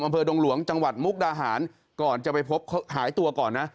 อำเภอดงหลวงจังหวัดมุกดาหารก่อนจะไปพบหายตัวก่อนนะ